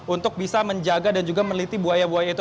untuk bisa menjaga dan juga meneliti buaya buaya itu